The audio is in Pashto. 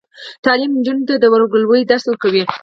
تعلیم نجونو ته د ورورګلوۍ درس ورکوي.